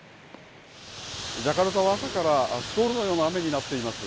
ジャカルタは朝からスコールのような雨になっています。